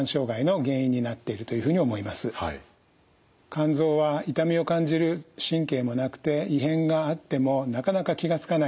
肝臓は痛みを感じる神経もなくて異変があってもなかなか気が付かないというようなことがあります。